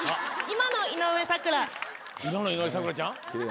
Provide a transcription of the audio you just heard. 今の井上咲楽ちゃん？